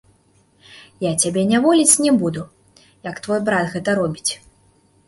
Я цябе няволіць не буду, як твой брат гэта робіць.